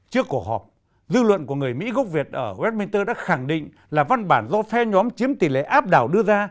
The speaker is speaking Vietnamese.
trước cuộc họp dư luận của người mỹ gốc việt ở westminster đã khẳng định là văn bản do phe nhóm chiếm tỷ lệ áp đảo đưa ra